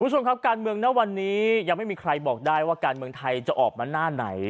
คุณผู้ชมครับการเมืองณวันนี้ยังไม่มีใครบอกได้ว่าการเมืองไทยจะออกมาหน้าไหน